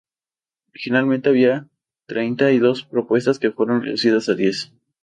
Originalmente había treinta y dos propuestas, que fueron reducidas a diez.